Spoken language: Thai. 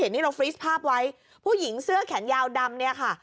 นี่เราฟรีสภาพไว้ผู้หญิงเสื้อแขนยาวดำเนี่ยค่ะ